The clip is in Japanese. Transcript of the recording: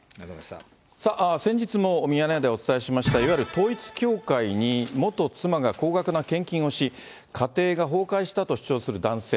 先日もミヤネ屋でお伝えしました、いわゆる統一教会に元妻が高額な献金をし、家庭が崩壊したと主張する男性。